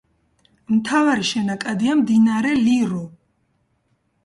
მთავარი შენაკადია მდინარე ლირო.